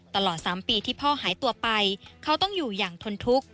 ตลอด๓ปีที่พ่อหายตัวไปเขาต้องอยู่อย่างทนทุกข์